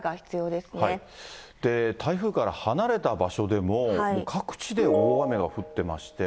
台風から離れた場所でも、各地で大雨が降ってまして。